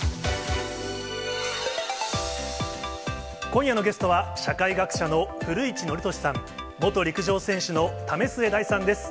今夜のゲストは社会学者の古市憲寿さん、元陸上選手の為末大さんです。